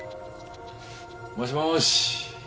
もしもし。